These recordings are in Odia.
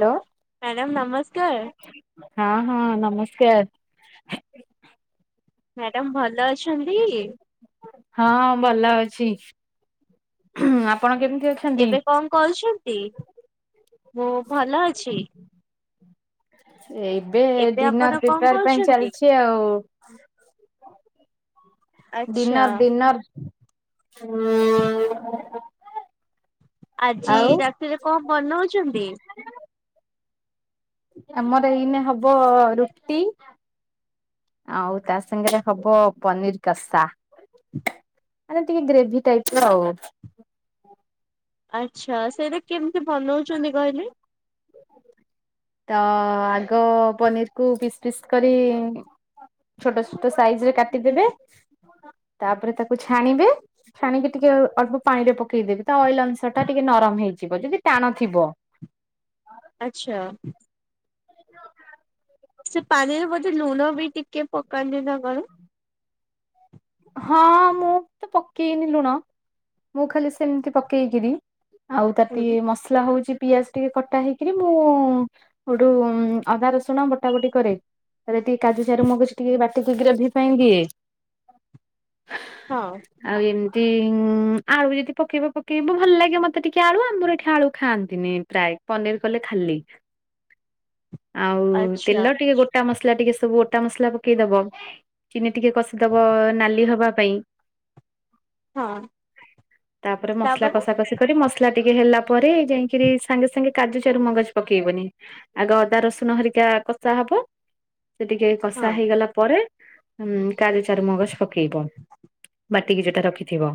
ହ୍ୟାଲୋ ମ୍ୟାଡ଼ାମ ନମସ୍କାର। ହଁ ହଁ ନମସ୍କାର। ମ୍ୟାଡାମ ଭଲ ଅଛନ୍ତି? ହଁ ଭଲ ଅଛି। ଆପଣ କେମିତି ଅ ଏବେ କଣ କରୁଛନ୍ତି ମୁଁ ଭଲ ଅଛି। ଏବେ ଡିନର୍ ଆପଣ କଣ ପ୍ରିପେୟାର ପାଇଁ କରୁଛନ୍ତି? ଚାଲିଛି ଆଉ। ଆଚ୍ଛା ଡିିନର୍ ଡିିନର୍ ହୁଁ। ଆଜି ରାତିରେ କଣ ବନୋଉଛନ୍ତି। ଆମର ଏଇନେ ହବ ରୁଟି ଆଉ ତା ସାଙ୍ଗରେ ହବ ପନିର୍ କଷା। ମାନେ ଟିକେ ଗ୍ରେଭି ଟାଇପ୍ ର ଆଉ। ଆଚ୍ଛା ସେଇଟା କେମିତି ବନୋଉଛନ୍ତି କହିଲେ? ତ ଆଗ ପନିର୍ କୁ ପିସ୍ ପିସ୍ କରି ଛୋଟୋ ଟେ ସାଇଜ୍‌ରେ କାଟିଦେବେ ତାପରେ ତାକୁ ଛାଣିବେ। ଛାଣିକି ଟିକେ ଅଳ୍ପ ପାଣି ରେ ପକେଇଦେବି ତା ଅଏଲ ଅଂଶ ଟା ଟିକେ ନରମ ହେଇଯିବ ଯଦି ଟାଣ ଥିବ। ଆଚ୍ଛା। ସେ ପାଣି ରେ ବୋଧେ ଲୁଣ ବି ଟିକେ ପକାନ୍ତି ନା କଣ? ହଁ ମୁଁ ତ ପକେଇନି ଲୁଣ ମୁଁ ଖାଲି ସେମିତି ପକେଇକିରିି ଆଉ ତାର ଟେ ମସଲା ହୋଉଛି ପିଆଜ ଟିକେ କଟା ହେଇକରି ମୁଁ ଗୋଠୁ ଅଦା ରସୁଣ ବଟା ବଟି କରେ। ରେ ଟିକେ କାଜୁ ଚାରମଗଜ ଟିକେ ବାଟିକି ଗ୍ରେଭି ପାଇଁ ଦିଏ। ହଁ। ଆଉ ଏମିତି ଆଳୁ ଯଦି ପକେଇବ ପକେଇବ ଭଲ ଲାଗେ ମତେ ଟିକେ ଆଳୁ ଆମର ଏଠି ଆଳୁ ଖାଆନ୍ତିନି। ଫ୍ରାଏ ପନିର୍ କଲେ ଖାଲି। [inaudible] ଆଉ ଆଚ୍ଛା ତେଲ ଟିକେ ଗୋ ଟା ମସଲା ଟିକେ ସବୁ ଓଟା ମସଲା ପକେଇ ଦବ ଚିନି ଟିକେ କଷିଦବ ନାଲି ହବା ପାଇଁ ହଁ ତାପରେ ମସଲା କଷା କଷି କରି ମସଲା ଟିକେ ହେଲା ପରେ ଯାଇକିରି ସାଙ୍ଗେ ସାଙ୍ଗେ କାଜୁ ଚାରମଗଜ ପକେଇବନି ଆଗ ଅଦା ରସୁଣ ହେରିକା କଷା ହବ। ସେ ଟିକେ ହଁ କଷା ହେଇଗଲା ପରେ ଉଁ କାଜୁ ଚାରମଗଜ ପକେଇବ ବାଟିକି ଯୋଉଟା ରଖିଥିବ।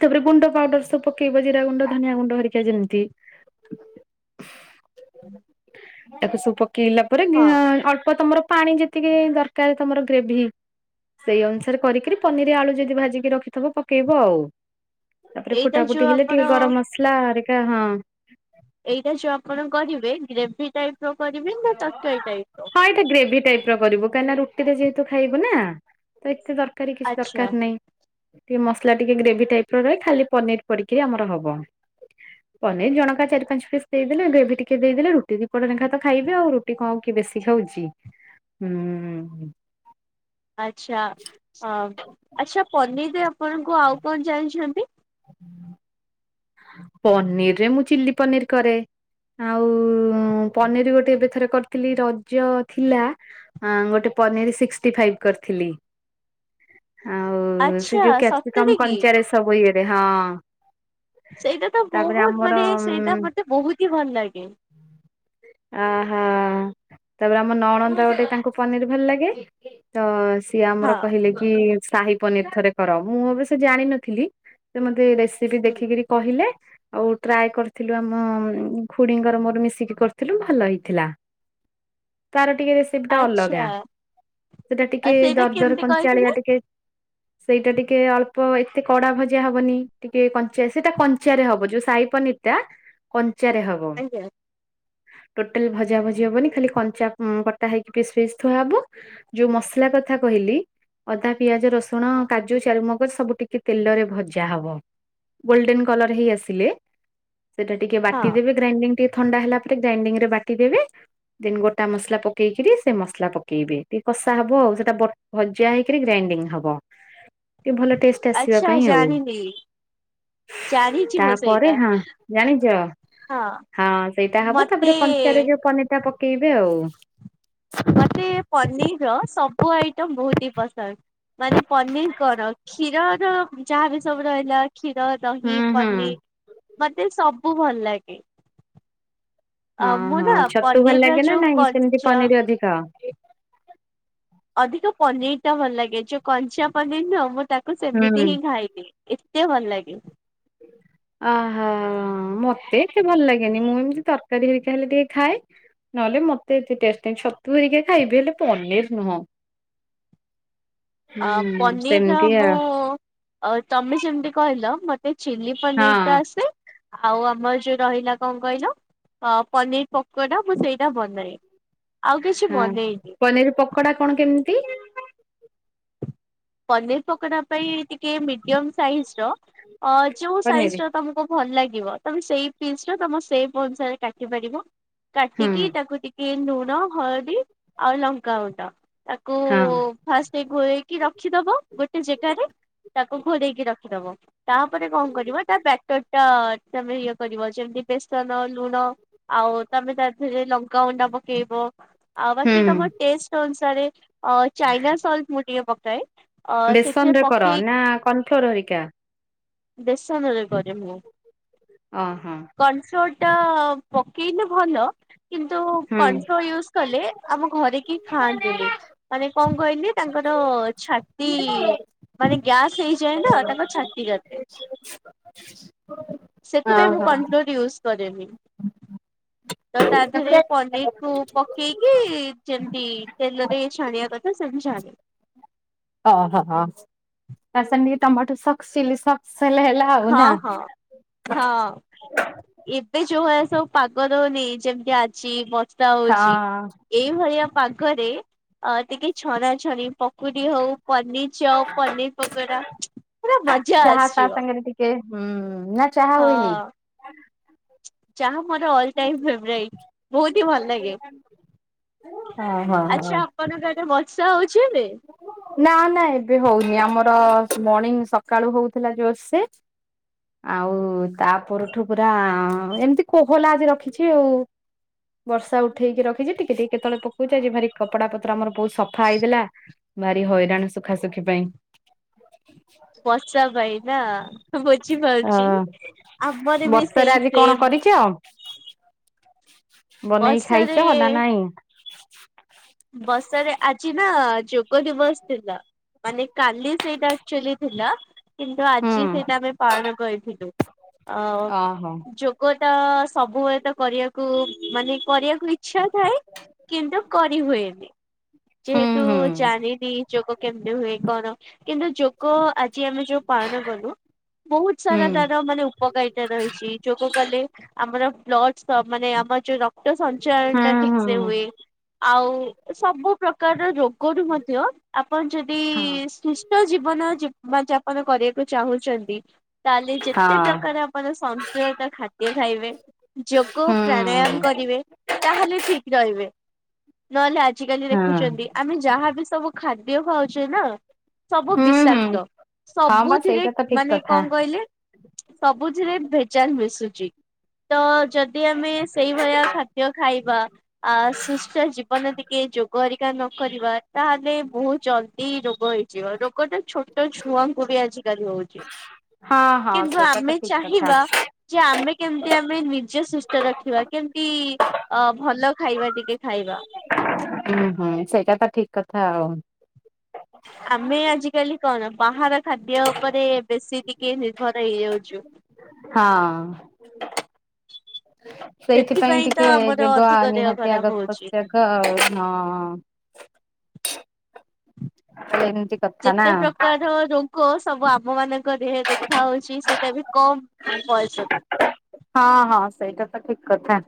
ତାପରେ ଗୁଣ୍ଡ ପାଉଡର ସବୁ ପକେଇବ ଜିରା ଗୁଣ୍ଡ ଧନିଆ ଗୁଣ୍ଡ ହେରିକା ଯେମିତି ହୁଁ। ତାକୁ ସବୁ ପକେଇଲା ପରେ ଅଳ୍ପ ତମର ପାଣି ଯେତିକି ଦରକାର ତମର ଗ୍ରେଭି ସେଇ ଅନୁସାରେ କରିକିରି ପନିର୍ ଆଳୁ ଯଦି ଭାଜିକି ରଖିଥିବ ପକେଇବ ଆଉ। ତାପରେ ଏଇଟା ଫୁଟା ଯୋଉ ଫୁଟି ହେଲେ ଆପଣ ଟିକେ ଗରମ ମସଲା ହାରିକା ହଁ। ଏଇଟା ଯୋଉ ଆପଣ କରିବେ ଗ୍ରେଭି ଟାଇପ୍ ର କରିବେ ନା ତରକାରୀ ଟାଇପ୍ ର? ହଁ ଗ୍ରେଭି ଟାଇପ୍। ଖିଅ କରିବୁ କାହିଁକି ନା ରୁଟିରେ ଯେହେତୁ ଖାଇବୁ ନା ତ ଏତେ ତରକାରୀ କିଛି ଆଚ୍ଛା ଦରକାର ନାହିଁ। ଟିକେ ମସଲା ଟିକେ ଗ୍ରେଭି ଟାଇପ୍ ରହେ ଖାଲି ପନିର୍ ପଡିକିରି ଆମର ହବ। ପନିର୍ ଜଣକା ଚାରି ପାଞ୍ଚ ପିସ୍ ଦେଇଦେଲେ ଗ୍ରେଭି ଟିକେ ଦେଇଦେଲେ ରୁଟି ଦିପଟ ନେଖାତ ଖା ଖାଇବେ ଆଉ ରୁଟି କଣ କିଏ ବେଶୀ ଖାଉଛି ହୁଁ। ଆଚ୍ଛା ହଁ ଆଚ୍ଛା ପନିର୍ ରେ ଆପଣଙ୍କୁ ଆଉ କଣ ଜାଣିଛନ୍ତି? ହୁଁ। ପନିର୍ ରେ ମୁଁ ଚିଲ୍ଲୀ ପନିର୍ କରେ। ଆଉ ପନିର୍ ଗୋଟେ ଏବେ ଥରେ କରିଥିଲି ରଜ ଥିଲା। ହଁ ଗୋଟେ ପନିର୍ ସିସ୍କିଷ୍ଟି ଫାଇଭ୍ କରିଥିଲି। ଆଉ ସେ ଆଚ୍ଛା ଯୋଉ ସତରେ କ୍ୟାପ୍ସିକମ କି? କଞ୍ଚାରେ ସବୁ ଇଏରେ ହଁ। ସେଇଟା ତ ତାପରେ ବହୁତ ଆମର ମାନେ ସେଇଟା ଉଁ ମୋତେ ବହୁତ ହି ଭଲ ଲାଗେ। ଓହୋ ତାପରେ ଆମ ନଣନ୍ଦ ଗୋଟେ ତାଙ୍କୁ ପନିର୍ ଭଲ ଲାଗେ। ତ ସିଏ ଆମର ହଁ କହିଲେ କି ସାହି ପନିର୍ ଥରେ କର। ମୁଁ ଅବଶ୍ଯ ଜାଣିନଥିଲି ସେ ମୋତେ ରେସିପି ହୁଁ ଦେଖିକିରି କହିଲେ। ଆଉ ଟ୍ରାଏ କରିଥିଲୁ ଆମ ଉଁ, ଖୁଡିଙ୍କର ମୋର ମିଶିକି କରିଥିଲୁ ଭଲ ହେଇଥିଲା। ତାର ଟିକେ ରେସିପି ଟା ଅଲଗା। ଆଚ୍ଛା ସେଟା ଆଉ ଟିକେ ସେଇଟା ଦରଦର କେମିତି କହିଥିଲେ? କଞ୍ଚାଳିଆ ଟିକେ ସେଇଟା ଟିକେ ଅଳ୍ପ ଏତେ କଡା ଭଜା ହବନି। ଟିକେ କଞ୍ଚା ସେଇଟା କଞ୍ଚା ରେ ହବ। ଯୋଉ ସହି ପନିର୍ ଟା କଞ୍ଚା ରେ ହବ। ଆଜ୍ଞା ଟୋଟାଲ ଭଜା ଭଜି ହବନି, ଖାଲି କଞ୍ଚା ଉଁ, କଟା ହେଇକି ପିସ୍ ପିସ୍ ଥୁଆ ହବ। ଯୋଉ ମସଲା କଥା କହିଲି। ଅଦା, ପିଆଜ, ରସୁଣ, କାଜୁ, ଚାରୁମଗଜ ସବୁ ଟିକେ ତେଲରେ ଭଜା ହବ। ଗୋଲଡେନ୍ କଲର୍ ହେଇ ଆସିଲେ ସେଟା ଟିକେ ହଁ ବାଟିଦେବେ। ଗ୍ରାଇଣ୍ଡିଙ୍ଗ ଟିକେ ଥଣ୍ଡା ହେଲା ପରେ ଗ୍ରାଇଣ୍ଡିଙ୍ଗ ରେ ବାଟିଦେବେ। ଦେନ୍ ଗୋଟା ମସଲା ପକେଇକିରି ସେ ମସଲା ପକେଇବେ। ଟିକେ କଷା ହବ। ସେଟା ବ ଭଜା ହେଇକିରି ଗ୍ରାଇଣ୍ଡିଙ୍ଗ ହବ, ଟିକେ ଭଲ ଟେଷ୍ଟ ଆସିବା ଆଚ୍ଛା ପାଇଁ ଆଉ ଜାଣିନି ଜାଣିଛି ମୁଁ ତାପରେ ସେଇଟା ହଁ, ଜାଣିଚ? ହଁ ସେଇଟା ହବ ମତେ ତାପରେ କଞ୍ଚା ରେ ଯୋଉ ପନିର୍ ଟା ପକେଇବେ ଆଉ। ମୋତେ ପନିର୍ ର ସବୁ ଆଇଟମ ବହୁତ ହି ପସନ୍ଦ। ମାନେ ପନିର୍ କଣ କ୍ଷୀରର ଯାହାବି ସବୁ ରହିଲା କ୍ଷୀର ଦହି, ହୁଁ ହୁଁ ପନିର୍ ମୋତେ ସବୁ ଭଲ ଲାଗେ। ଅ ହଁ, ମୁଁ ହଁ ନା ଛତୁ ଭଲ ପନିର ର ଲାଗେ ନା ଯୋଉ ନାଇଁ ସେମିତି କଞ୍ଚା ପନିର୍ ଅଧିକ? ଅଧିକ ପନିର୍ ଟା ଭଲ ଲାଗେ, ଯୋଉ କଞ୍ଚା ପନିର୍ ନୁହଁ। ମୁଁ ତାକୁ ସେମିତି ହୁଁ। ହିଁ ଖାଇଦିଏ। ଏତେ ଭଲ ଲାଗେ। ହ ଓହୋ, ମୋତେ ଏତେ ଭଲ ଲାଗେନି। ମୁଁ ଏମିତି ତରକାରୀ ହେରିକା ହେଲେ ଟିକେ ଖାଏ। ନହେଲେ ମୋତେ ଏତେ ଟେଷ୍ଟ ନାହିଁ, ଛତୁ ହେରିକା ଖାଇବି ହେଲେ ପନିର୍ ନୁହଁ। ଅ, ହୁଁ ପନିର୍ ର ସେମିତି ମୁଁ ଆଉ ଅ, ତୋମେ ଯେମିତି କହିଲ ମୋତେ ଚିଲି ହଁ ପନିର୍ ଟା ଆସେ। ଆଉ ଆମର ଯୋଉ ରହିଲା କଣ କହିଲ? ଅ, ପନିର୍ ପକୋଡା ମୁଁ ସେଇଟା ବନାଏ। ଆଉ କିଛି ହଁ ବନେଇନି। ପନିର୍ ପକୋଡା କଣ କେମତି? ପନିର୍ ପକୋଡା ପାଇଁ ଟିକେ ମିଡିୟମ୍ ସାଇଜ୍ ର ଅ, ଯୋଉ ସାଇଜ୍ ପନିର ର ତୋମକୁ ଭଲ ଲାଗିବ ତୋମେ ସେଇ ପିସ୍ ର ତୋମ ସେପ୍ ଅନୁସାରେ କାଟି ପାରିବ। ହୁଁ କାଟିକି ତାକୁ ଟିକେ ଲୁଣ, ହଳଦୀ ଆଉ ଲଙ୍କା ଗୁଣ୍ଡ ତାକୁ ହଁ ଫାଷ୍ଟେ ଗୁଳେଇକି ରଖିଦବ ଗୋଟେ ଜାଗାରେ। ତାକୁ ଘୋଡେଇକି ରଖିଦବ। ତାପରେ କଣ କରିବ ତା ବ୍ୟାଟର୍ ଟା ତୋମେ ଇଏ କରିବ। ଯେମିତି ବେସନ ଲୁଣ ଆଉ ତୋମେ ତା ଦେହରେ ଲଙ୍କା ଗୁଣ୍ଡ ପକେଇବ। ଆଉ ବାକି ହୁଁ। ତୋମ ଟେଷ୍ଟ ଅନୁସାରେ, ଅ, ଚାଇନା ସଲ୍ଟ ମୁଁ ଟିକେ ପକାଏ। ଅ ସେଥିରେ ବେସନ ରେ କର ପକେଇ ନା କର୍ନଫ୍ଲୋର୍ ହରିକା? ବେସନରେ କରେ ମୁଁ। ଅ ହଁ। କର୍ନଫ୍ଲୋର ଟା ପକେଇଲେ ଭଲ। କିନ୍ତୁ ହୁଁ। କର୍ନଫ୍ଲୋର ୟୁଜ୍ କଲେ ଆମ ଘରେ କି ଖାଆନ୍ତିନି। ମାନେ କଣ କହିଲି ତାଙ୍କର ଛା ତି ମାନେ ଗ୍ୟାସ୍ ହେଇଯାଏ ନା ତାଙ୍କ ଛାତି କାଟେ। ହ। ସେଥିପାଇଁ ମୁଁ କର୍ନଫ୍ଲୋର୍ ୟୁଜ୍ କରେନି। ତ ତା ଦେହରେ ପନିର୍ କୁ ପକେଇକି ଯେମତି ତେଲରେ ଛାଣିବା କଥା ସେମିତି ଛାଣେ। ଓହୋ, ହୋ, ତା ସାଙ୍ଗେ ଟିକେ ଟମାଟୋ ସକ୍ସ, ଚିଲି ସକ୍ସ ହେଲେ ହେଲା। ହଉ ହଁ ନା। ହଁ ହଁ। ଏବେ ଯୋଉ ଭଳିଆ ସବୁ ପାଗ ଦଉନି ଯେମିତି ଆଜି ବର୍ଷା ହଉଛି। ହଁ। ଏଇଭଳିଆ ପାଗରେ ଅ ଟିକେ ଛଣା ଛଣି ପ କୁଡ଼ି ହଉ ପନିର ଚପ ପନିର ପକୋଡା ପୁରା ମଜା ଆସିିଯିବ। କେ ହୁ ନା ଚାହା ହୁଇନି। ଚାହା ମୋର ଅଲ ଟାଇମ୍ ଫେଭରାଇଟ ବହୁତ ହି ଭଲ ଲାଗେ। ହଁ ହଁ ହଁ। [unintelligible] ବର୍ଷା ହଉଛି ଏବେ। ନା ନା ଏବେ ହଉନି ଆମର ମର୍ଣିଂ ସକାଳୁ ହଉଥିଲା ଜୋରସେ। ଆଉ ତା ପରଠୁ ପୁରା ଏମିତି କୋହଲା ଆଜି ରଖିଛି ଆଉ। ବର୍ଷା ଉଠେଇକି ରଖିଛି ଟିକେ ଟିକେ କେତେବେଳେ ପକଉଛି ଆଜି ଭାରି କପଡା ପତ୍ର ଆମର ବହୁତ ସଫା ହେଇଥିଲା। ଭାରି ହଇରାଣ ସୁଖାସୁଖି ପାଇଁ। ବର୍ଷା ପାଇଁ ନା ଅ ବୁଝିପାରୁଛି ଆମର ବି ବର୍ଷାରେ ସେଇ ଆଜି ସେମ। [unintelligible] ବନେଇକି ବର୍ଷାରେ ଖାଇଛ ନା ନାଇଁ। ବସରେ ଆଜି ନା ଯୋଗ ଦିବସ ଥିଲା। ମାନେ କାଲି ସେଇଟା ଆକଚୁଆଲି ଥିଲା। କିନ୍ତୁ ହୁଁ ଆଜି ସେଇଟା ଆମେ ପାଳନ କରିଥିଲୁ ଅ ଓହୋ ଯ ଗୋଟା ସବୁବେଳେ ତ କରିବାକୁ ମାନେ କରିବାକୁ ଇଚ୍ଛା ଥାଏ କିନ୍ତୁ କ ସେମିତ୍ ହୁଏନି ହୁଁ ଯେହେତୁ ହୁଁ। ଜାଣିନି ଯୋଗ କେମିତି ହୁଏ କଣ କିନ୍ତୁ ଯୋ କ ଆଜି ଆମେ ଯୋଉ ପାଳନ କଲୁ ବହୁତ ହୁଁ ସାରା ତାର ମାନେ ଉପକାରୀ। ତା ରହିଛି ଯୋଗ କଲେ ଆମର ବ୍ଲଡସ ମାନେ ଆମର ଯୋଉ ରକ୍ତ। ତ ସଞ୍ଚୟ ହୁଁ ଟା ଠିକ ସେ ହୁଏ। ହୁଁ ଆଉ ସବୁ ପ୍ରକାରର ରୋଗରୁ ମଧ୍ୟ ଆପଣ ଯଦି ହଁ ସି ତ ଜୀବନ ଜୀବନ ଯାପନ କରିବାକୁ ଚାହୁଁଛନ୍ତି ତାହେଲେ ଯେତେ ପ୍ରକାର। ଆପଣ ସନ୍ତୁଳତା ଖାଦ୍ୟ ଖାଇବେ। ଯୋଗ ହଁ ହୁଁ। ପ୍ରାଣାୟାମ କରିବେ ତାହେଲେ ଠିକ ରହିବେ। ନହେଲେ ଆଜିକାଲି ହଁ ଦେଖୁଛନ୍ତି ଆମେ ଯାହାବି ସବୁ ଖାଦ୍ୟ ଖାଉଛେ ନା। ସବୁ ହୁଁ ହୁଁ ବିଷାକ୍ତ ହଁ ବା ସବୁଥିରେ ସେଇଟା ତ ଠିକ ମାନେ କଥା କଣ କହିଲେ। ସବୁଥିରେ ଭେଜାଲ ମିଶୁଛି। ତ ଯଦି ଆମେ ସେଇଭଳିଆ ଖାଦ୍ୟ ଖାଇବା ଆ ସୁସ୍ଥ ଯିବା। ଯଦି କିଏ ଯୋଗ ଆରିକା ନ କରିବା ତାହେଲେ ବହୁତ ଜଲ୍ଦି ରୋଗ ହେଇଯିବ ରୋଗଟା ଛୋ ଟ ଛୁଆଙ୍କୁ ବି ଆଜିକାଲି ହଉଛି ହଁ ହଁ କିନ୍ତୁ ସେଇଟା ତ ଆମେ ଠିକ କଥା ଚାହିଁବା। ଯେ ଆମେ କେମିତି ଆମେ ନିଜେ ସୁସ୍ଥ ରଖିବା କେମତି। ଅ ଭଲ ଖାଇବା ଟିକେ ଖାଇବା। ହୁଁ ହୁ ସେଇଟା ତ ଠିକ କଥା ଆଉ। ଆମେ ଆଜିକାଲି କଣ ବାହାର ଖାଦ୍ୟ ଉପରେ ବେଶୀ ଟିକେ ନିର୍ଭର ହେଇଯାଉଛୁ। ହଁ। ସେଇଥିପାଇଁ ସେଥିପାଇଁ ତ ଟିକେ ଆମର ଯୋଗ ଅଧିକ ଦେହ ନିହାତି ଖରାପ ଆଗ ହଉଛି ପତ୍ୟାଗ ଆଉ ହଁ। ଏମତି। ଯେତେ ପ୍ରକାର ରୋଗ ସବୁ ଆମ ମାନଙ୍କରେ ଦେଖା ହଉଛି ସେଟା ବି କମ। ପଇସା ଦୋ ହଁ ହଁ ସେଇଟା ତ ଠିକ କଥା।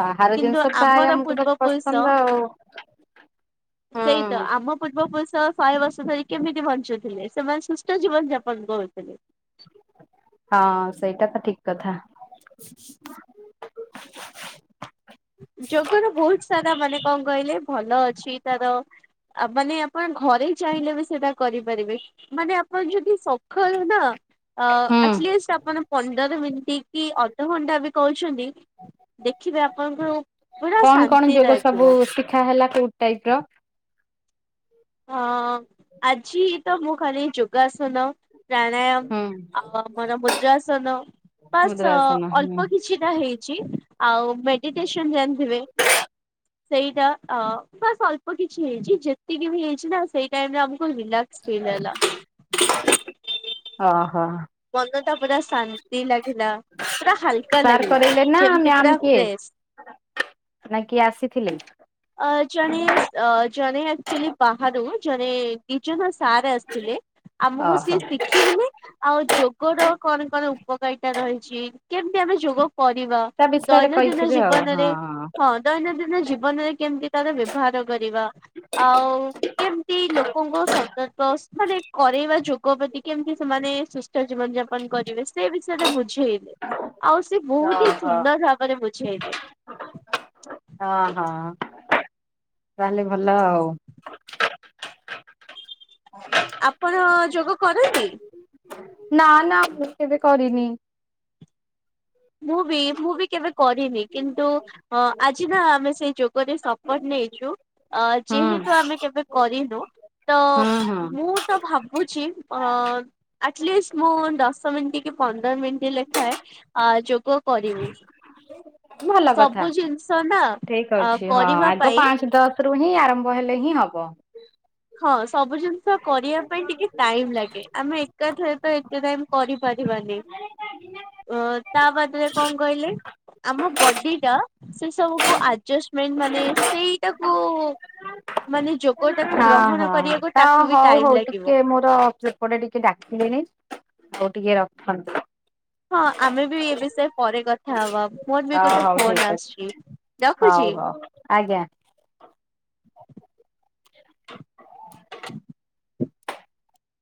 ବାହାର କିନ୍ତୁ ଜିନିଷ ଟ ଆ ଆମର ଆମକୁ ତ ପୂର୍ବପୁରୁଷ ପସନ୍ଦ ଆଉ। ହୁଁ ସେଇତ ଆମ ପୂର୍ବପୁରୁଷ ଶହେ ବର୍ଷ ଧରି କେମିତି ବଞ୍ଚୁଥିଲେ ସେମାନେ ସୁସ୍ଥ ଜୀବନ ଯାପନ କରହୁଥିଲେ। ହଁ ସେଇଟା ତ ଠିକ କଥା। ଯୋଗର ବହୁତ ସାରା ମାନେ କଣ କହିଲେ ଭଲ ଅଛି ତାର। ଆ ମାନେ ଆପଣ ଘରେ ଚାହିଁଲେ ବି ସେଟା କରିପାରିବେ ମାନେ ଆପଣ ଯଦି ସ ଖର ନା ଆ ହୁଁ ଆକ୍ ଚୋଲି ସପନ ପନ୍ଦର ମିିନିଟ କି ଅଧ୍ ଦେଢ଼ ଘଣ୍ଟା ବି କହୁଛନ୍ତି ଦେଖିବେ ଆପଣଙ୍କର କଣ କଣ ଯୋଗ ସବୁ ଶିଖା ହେଲା କୋଉ ଟାଇପ ର? ହଁ ଆଜି ତ ମୁଁ ଖାଲି ଯୋଗ ଆସନ। ହୁଁ ପ୍ରାଣାୟାମ ଆ ମୋର ମୁଦ୍ରାସନ ବାସ୍ ମୁଦ୍ରାସନ ହୁଁ ଅଳ୍ପ କିଛି। ଟା ହେଇଛି ଆଉ ମେଡିଟେସନ ଜାଣିଥିବେ। ସେଇଟା ବାସ୍ ଅଳ୍ପ କିଛି ହେଇଛି ଯେତିକି ବି ହେଇଛି ନା ସେଇ ଟାଇମ୍ ରେ ଆମକୁ ବିନ୍ଦା ସ୍ ଫିଲ ହେଲା। ଅ ହ। ମନ ଟା ପୁରା ଶା ନ୍ତି ଲାଗିଲା ପୁରା ହାଲକା ସାର୍ ଲାଗିଲା କରେଇଲେ ନା ଯେମତି ପୁରା ମ୍ୟାାମ କିଏ ଫ୍ରେଶ। ନା କିଏ ଆସିଥିଲେ? ଅ ଜଣେ ଜଣେ ଆଚୁଲି ବାହାରୁ ଜଣେ କିଜନ ସାର ଆସ ଥିଲେ ଆମକୁ ସିଏ ଓହୋ ଶିଖେଇଲେ। ଆଉ ଯୋଗ ର କଣ କଣ ଉପକାରିତା ରହିଛି କେମତି ଆମେ ଯୋଗ କରିବା? ତା ବିଷୟରେ ଦୈନନ୍ଦିନ କହିଥିବେ ଆଉ ହଁ ଜୀବନରେ ହଁ। ଦୈନନ୍ଦିନ ଜୀବନରେ କେମିତି ତାର ବ୍ୟବହାର କରିବା ଆଉ। କେମତି ଲୋକଙ୍କ ସତର୍କ ମାନେ କରେଇବା ଯୋଗ ପ୍ରତି କେମିତି ସେମାନେ। ସୁସ୍ଥ ଜୀବନ ଯାପନ କରିବେ ସେ ବିଷୟରେ ବୁଝେଇଲେ। ଆଉ ସେ ବହୁତ ହି ଓହୋ। ସୁନ୍ଦର ଭାବରେ ବୁଝେଇଲେ। ହଁ ହଁ ତାହେଲେ ଭଲ ଆଉ। [inaudible] ଆପଣ ଯୋଗ କରନ୍ତି? ନା ନା ମୁଁ କେବେ କରିନି। ମୁଁ ବି ମୁଁ ବି କେବେ କରିନି କିନ୍ତୁ ଅ ଆଜି ନା ଆମେ ସେଇ ଯୋ ଗୋ ରେ ସପୋର୍ଟ ନେଇଛୁ ହୁଁ ଯେହେତୁ ଆମେ କେବେ କରିନୁ। ତ ହୁଁ ହୁଁ ମୁଁ ତ ଭାବୁଛି ଅ ଆଟଲିଷ୍ଟ ମୁଁ ଦଶ ମିନିଟ କି ପନ୍ଦର ମିନିଟ ଲେଖାଏ ଯୋଗ କରିବି। ଭଲ କଥା। ସବୁ ଜିନିଷ ନା ଠିକ ଅ ଅଛି ହଁ କରିବା ଆଗ ପାଇଁ ପାଞ୍ଚ ଦଶ ରୁ ହିଁ ଆରମ୍ଭ ହେଲେ ହିଁ ହବ। ହଁ ସବୁ ଜିନିଷ କରିବା ପାଇଁ ଟିକେ ଟାଇମ ଲାଗେ ଆମେ ଏକାଥରେ ତ ଏତେ ଟାଇମ କରିପାରିବାନି। ଅ ତା ବାଦରେ କଣ କହିଲେ? ଆମ ବଡି ଟା ସେ ସବୁକୁ ଆଡଜମେଣ୍ଟ ମାନେ ସେଇଟାକୁ ମାନେ ଯୋଗ ହଁ ହଁ ତ ହଉ ହଉ ଲାଗିବ। ଟିକେ ମ ର ସେପଟେ ଟିକେ ଡାକିଲେଣି ଆଉ ଟିକେ ରଖନ୍ତି। ହଁ ଆମେ ବି ଏ ବିଷୟ ପରେ କଥା ହବା ମୋର ବି ହ ଗୋଟେ ହଉ ଠିକ ଫୋନ ଅଛି ଆସୁଛି। ହଉ ରଖୁଛି। ହଉ ଆଜ୍ଞା। [inaudible]